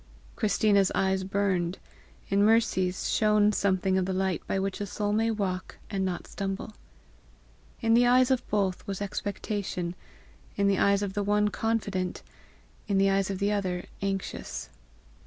Christina's eyes burned; in Mercy's shone something of the light by which a soul may walk and not stumble. In the eyes of both was expectation, in the eyes of the one confident, in the eyes of the other anxious.